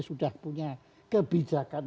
sudah punya kebijakan